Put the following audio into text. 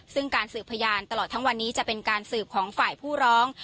ซึ่งการสืบพยานตลอดทั้งวันนี้จะเป็นการสืบของฝ่ายผู้ร้อง